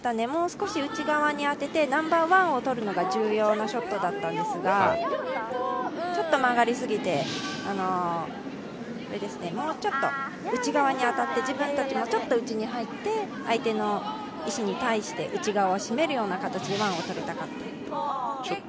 もう少し内側に当ててナンバーワンを取るのが重要なショットだったんですが、ちょっと曲がりすぎてもうちょっと内側に当たって、自分たちもちょっと内に入って相手の石に対して内側をしめるような形でワンを取りたかったです。